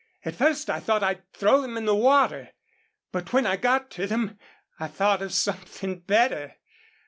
At first I thought I'd throw them in the water, but when I got to them I thought of something better.